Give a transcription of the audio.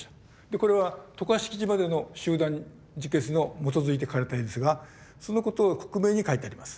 これは渡嘉敷島での集団自決の基づいて描かれた絵ですがそのことを克明に描いてあります。